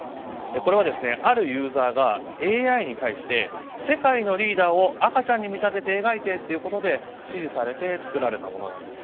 これは、あるユーザーがＡＩに対して世界のリーダーを赤ちゃんに見立てて描いてと指示されて作られたものなんです。